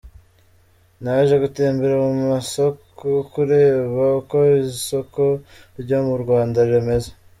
Naje gutembera mu masoko, kureba uko isoko ryo mu Rwanda rimeze.